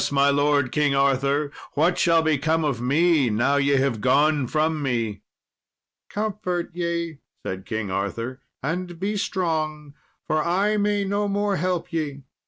my lord King Arthur, what shall become of me now ye have gone from me?" "Comfort ye," said King Arthur, "and be strong, for I may no more help ye.